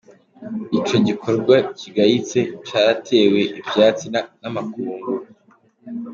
Ico gikorwa kigayitse caratewe ivyatsi n’amakungu.